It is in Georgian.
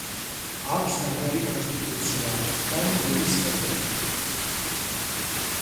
აქვს მაგარი კონსტიტუცია და მკვრივი სხეული.